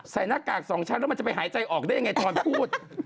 หน้ากากสองชั้นแล้วมันจะไปหายใจออกได้ยังไงตอนพูด